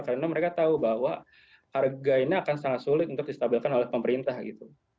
karena mereka tahu bahwa harga ini akan sangat sulit untuk distabilkan oleh pemerintah gitu